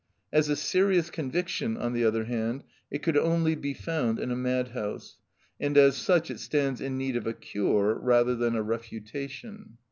As a serious conviction, on the other hand, it could only be found in a madhouse, and as such it stands in need of a cure rather than a refutation.